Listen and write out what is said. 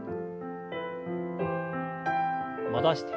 戻して。